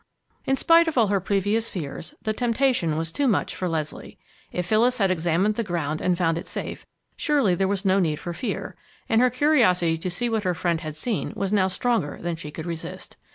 In spite of all her previous fears, the temptation was too much for Leslie. If Phyllis had examined the ground and found it safe, surely there was no need for fear, and her curiosity to see what her friend had seen was now stronger than she could resist.